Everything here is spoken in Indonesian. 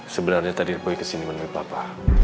sebenarnya tadi boy kesini menurut papa